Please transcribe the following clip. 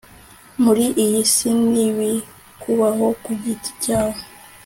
muri iyi si n ibikubaho ku giti cyawe